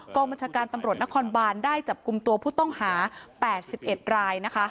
บัญชาการตำรวจนครบานได้จับกลุ่มตัวผู้ต้องหา๘๑รายนะคะ